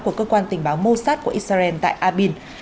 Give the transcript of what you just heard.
của cơ quan tình báo mossad của israel tại abin